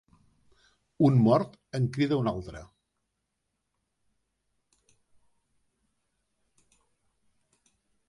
Un mort en crida un altre.